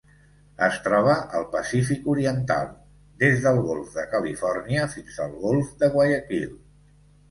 Es troba al Pacífic oriental: des del golf de Califòrnia fins al golf de Guayaquil.